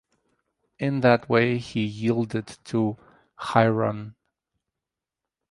In that way he yielded to Hairun.